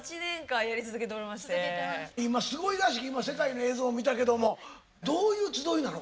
今すごいらしい今世界の映像見たけどもどういう集いなの？